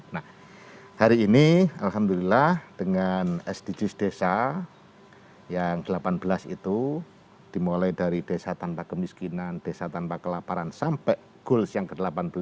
nah hari ini alhamdulillah dengan sdgs desa yang ke delapan belas itu dimulai dari desa tanpa kemiskinan desa tanpa kelaparan sampai goals yang ke delapan belas